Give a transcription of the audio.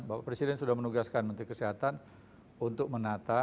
bapak presiden sudah menugaskan menteri kesehatan untuk menata